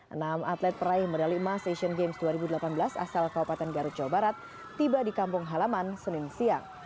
enam atlet peraih medali emas asian games dua ribu delapan belas asal kabupaten garut jawa barat tiba di kampung halaman senin siang